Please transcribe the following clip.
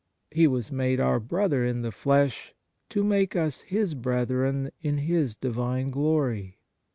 He was made our Brother in the flesh to make us His brethren in His Divine glory.